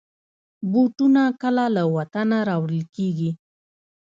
بوټونه کله له وطنه راوړل کېږي.